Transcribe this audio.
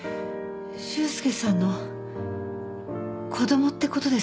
修介さんの子供ってことですか？